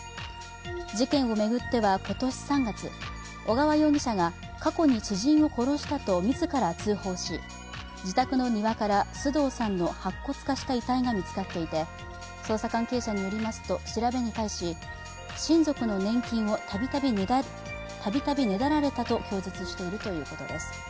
事件を巡っては、今年３月小川容疑者が過去に知人を殺したと自ら通報し自宅の庭から須藤さんの白骨化した遺体が見つかっていて、捜査関係者によりますと、調べに対し、親族の年金をたびたびねだられたと供述しているということです。